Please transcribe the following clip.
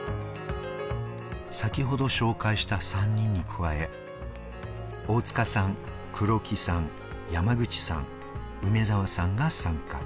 先程紹介した３人に加え、大塚さん、黒木さん、山口さん、梅澤さんが参加。